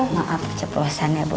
maaf keceplosan ya bu